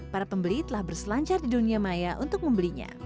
para pembeli telah berselancar di dunia maya untuk membelinya